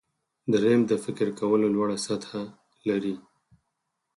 دریم د فکر کولو لوړه سطحه لري.